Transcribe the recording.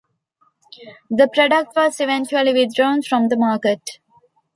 The product was eventually withdrawn from the market.